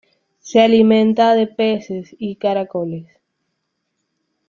Se alimenta de peces y caracoles.